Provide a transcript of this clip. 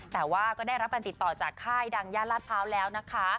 แต่ว่าก็ได้รับการติดต่อจากค่ายดังย่านลาดพร้าวแล้วนะคะ